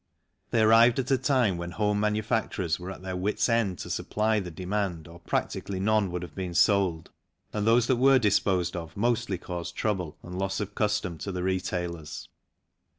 They arrived at a time when home manufacturers were THE CYCLE BOOM 75 at their wits end to supply the demand or practically none would have been sold, and those that were disposed of mostly caused trouble and loss of custom to the retailers.